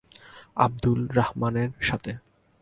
আব্দুল রহমানের সাথে।